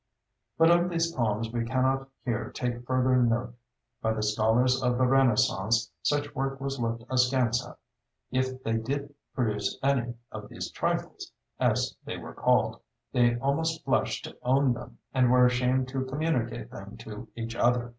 But of these poems we cannot here take further note. By the scholars of the Renaissance such work was looked askance at. If they did produce any of these "trifles," as they were called, they almost blushed to own them, and were ashamed to communicate them to each other.